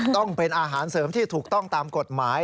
ต้องเป็นอาหารเสริมที่ถูกต้องตามกฎหมาย